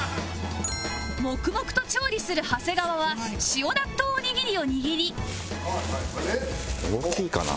黙々と調理する長谷川は塩納豆おにぎりを握り大きいかな？